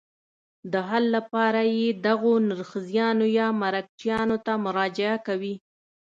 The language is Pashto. د حل لپاره یې دغو نرخیانو یا مرکچیانو ته مراجعه کوي.